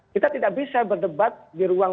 kita tidak bisa berdebat di ruang